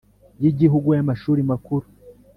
y Igihugu y Amashuri Makuru